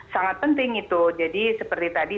sangat penting itu jadi seperti tadi